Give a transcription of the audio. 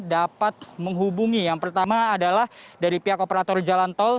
dapat menghubungi yang pertama adalah dari pihak operator jalan tol